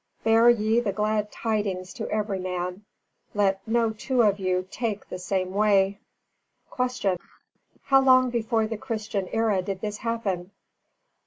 Bear ye the glad tidings to every man. Let no two of you take the same way." 286. Q. _How long before the Christian era did this happen?